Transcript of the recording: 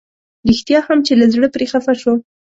رښتيا هم چې له زړه پرې خفه شوم.